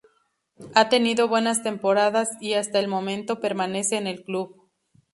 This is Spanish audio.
Ha tenido buenas temporadas, y hasta el momento, permanece en el club.